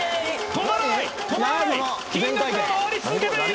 止まらない！